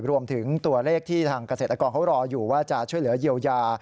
รวมถึงตัวเลขที่ทางเกษตรกรเขารออยู่ว่าจะช่วยเหลือเยียวยา